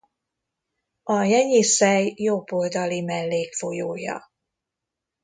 A Jenyiszej jobb oldali mellékfolyója.